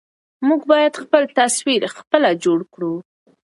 موږ بايد خپل تصوير خپله جوړ کړو.